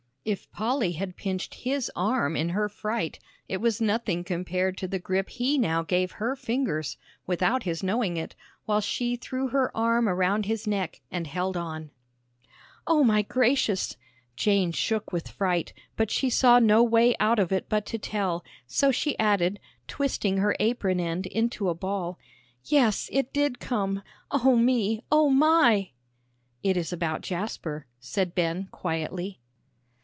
If Polly had pinched his arm in her fright, it was nothing to the grip he now gave her fingers, without his knowing it, while she threw her arm around his neck and held on. "O my gracious!" Jane shook with fright, but she saw no way out of it but to tell, so she added, twisting her apron end into a ball, "Yes, it did come, O me, O my!" "It is about Jasper," said Ben, quietly.